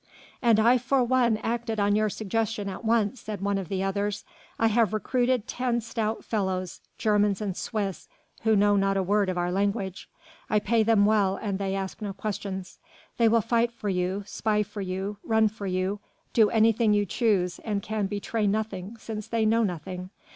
"And I for one acted on your suggestion at once," said one of the others. "I have recruited ten stout fellows: Germans and Swiss, who know not a word of our language. I pay them well and they ask no questions. They will fight for you, spy for you, run for you, do anything you choose, and can betray nothing, since they know nothing.